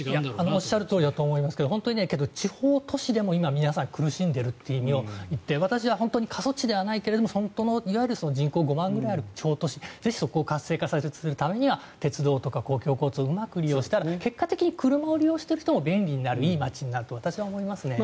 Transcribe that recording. おっしゃるとおりなんですが本当に、地方都市でも皆さん苦しんでいて私は、過疎地ではないけどいわゆる人口５万人くらいの地方都市そこを活性化するためには鉄道とか公共交通をうまく利用したら結果的に車を利用している人も便利になっていい街になると私は思いますね。